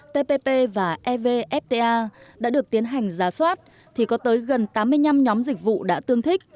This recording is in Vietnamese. tpp và evfta đã được tiến hành giả soát thì có tới gần tám mươi năm nhóm dịch vụ đã tương thích